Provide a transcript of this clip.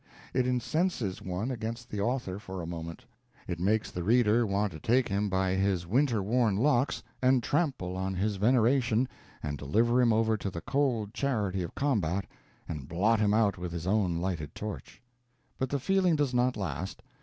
It incenses one against the author for a moment. It makes the reader want to take him by his winter worn locks, and trample on his veneration, and deliver him over to the cold charity of combat, and blot him out with his own lighted torch. But the feeling does not last.